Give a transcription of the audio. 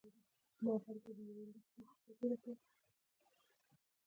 دغې خدای ورکړې پانګې په سمې کار اچونې هر څه کولی شي.